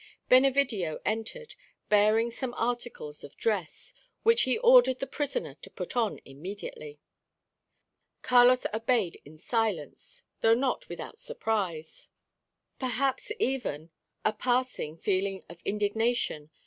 Benevidio entered, bearing some articles of dress, which he ordered the prisoner to put on immediately. Carlos obeyed in silence, though not without surprise, perhaps even a passing feeling of indignation.